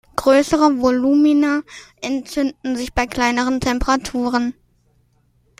Größere Volumina entzünden sich bei kleineren Temperaturen.